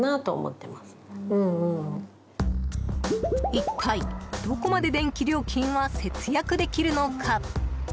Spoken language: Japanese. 一体、どこまで電気料金は節約できるのか。